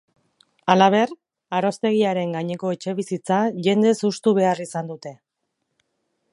Halaber, aroztegiaren gaineko etxebizitza jendez hustu behar izan dute.